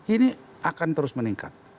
ini akan terus meningkat